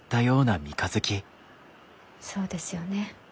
そうですよね。